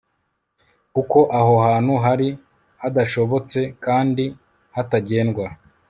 kuko aho hantu hari hadashobotse kandi hatagendwa